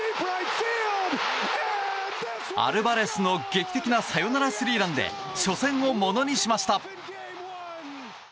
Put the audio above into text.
アルバレスの劇的なサヨナラスリーランで初戦をものにしました。